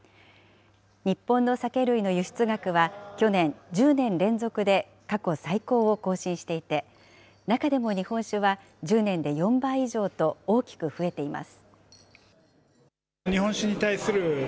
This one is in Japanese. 日本の酒類の輸出額は去年、１０年連続で過去最高を更新していて、中でも日本酒は１０年で４倍以上と、大きく増えています。